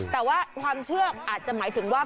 แต่ว่าความเชื่ออาจจะหมายถึงว่า